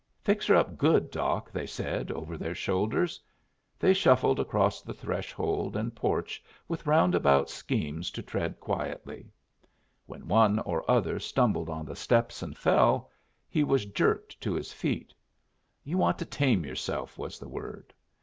"Fix her up good, Doc," they said, over their shoulders. They shuffled across the threshold and porch with roundabout schemes to tread quietly. When one or other stumbled on the steps and fell, he was jerked to his feet. "You want to tame yourself," was the word.